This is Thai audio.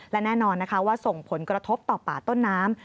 และแน่นอนนะคะว่าส่งผลกระทบต่อป่าต้นน้ำ